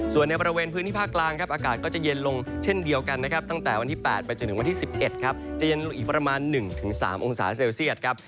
ส่วนในบริเวณพื้นที่ภาคกลางครับอากาศก็จะเย็นลงเช่นเดียวกันนะครับตั้งแต่วันที่๘ไปจนถึงวันที่๑๑ครับจะเย็นลงอีกประมาณ๑๓องศาเซลเซียตครับ